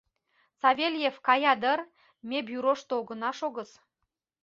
— Савельев кая дыр, ме бюрошто огына шогыс.